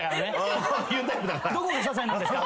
どこがささいなんですか？